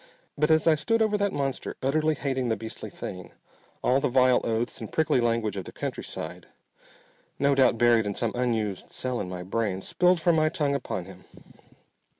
But as I stood over that monster, utterly hating the beastly thing, all the vile oaths and prickly language of the countryside, no doubt buried in some unused cell in my brain, spilled from my tongue upon him.